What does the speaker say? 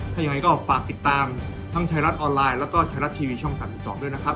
ถ้ายังไงก็ฝากติดตามทั้งไทยรัฐออนไลน์แล้วก็ไทยรัฐทีวีช่อง๓๒ด้วยนะครับ